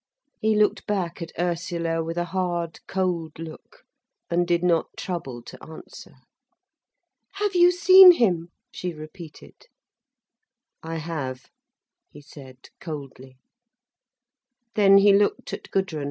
He looked back at Ursula with a hard, cold look, and did not trouble to answer. "Have you seen him?" she repeated. "I have," he said, coldly. Then he looked at Gudrun.